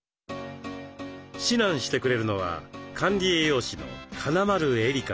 指南してくれるのは管理栄養士の金丸絵里加さん。